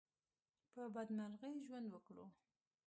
په بدمرغي ژوند وکړو.